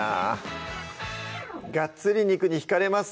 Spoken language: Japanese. がっつり肉に引かれます